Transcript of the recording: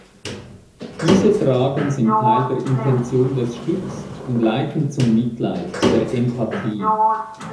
Diese Fragen sind Teil der Intention des Stücks und leiten zum Mitleid, der Empathie.